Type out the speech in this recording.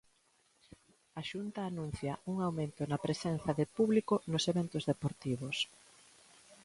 A Xunta anuncia un aumento na presenza de publico nos eventos deportivos.